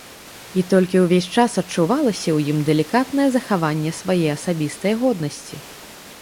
І толькі ўвесь час адчувалася ў ім далікатнае захаванне свае асабістае годнасці.